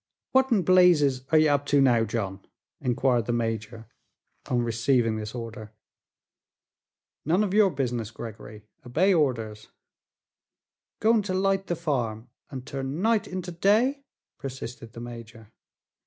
"What in blazes are ye up to now, John?" inquired the major, on receiving this order. "None of your business, Gregory. Obey orders." "Going to light the farm and turn night into day?" persisted the major.